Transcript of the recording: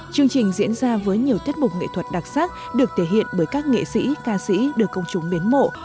chương trình diễn ra với nhiều tiết mục nghệ thuật đặc sắc được thể hiện bởi các nghệ sĩ ca sĩ được công chúng biến mộ